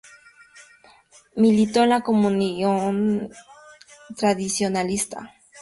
Militó en la Comunión Tradicionalista.